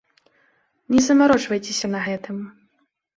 Не замарочвайцеся на гэтым.